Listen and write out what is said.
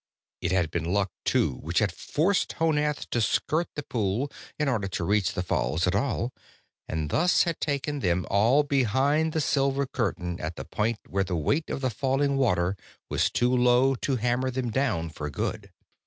It had been luck, too, which had forced Honath to skirt the pool in order to reach the falls at all, and thus had taken them all behind the silver curtain at the point where the weight of the falling water was too low to hammer them down for good.